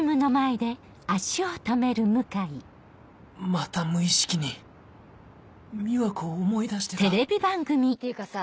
また無意識に美和子を思い出してたていうかさ